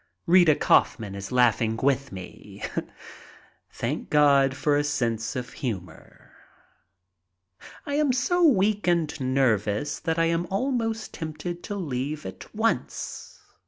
Rita Kaufman is laughing with me. Thank heaven for a sense of humor. I am so weak and nervous that I am almost tempted to leave at once.